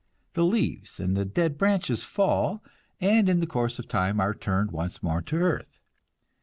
The leaves and the dead branches fall, and in the course of time are turned once more to earth.